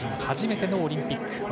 初めてのオリンピック。